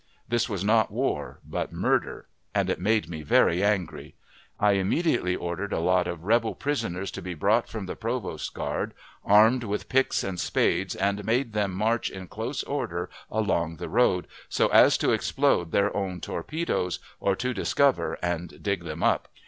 This was not war, but murder, and it made me very angry. I immediately ordered a lot of rebel prisoners to be brought from the provost guard, armed with picks and spades, and made them march in close order along the road, so as to explode their own torpedoes, or to discover and dig them up.